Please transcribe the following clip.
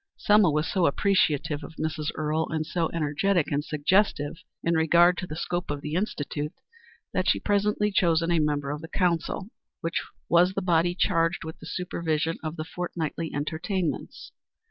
Selma was so appreciative of Mrs. Earle, and so energetic and suggestive in regard to the scope of the Institute, that she was presently chosen a member of the council, which was the body charged with the supervision of the fortnightly entertainments.